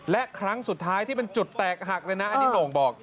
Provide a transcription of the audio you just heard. และครั้งสุดท้ายที่เป็นจุดแตกหักเลยนะอันนี้โหน่งบอก